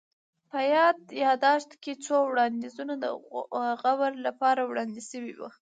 په يا ياداشت کي څو وړانديزونه د غور لپاره وړاندي سوي وه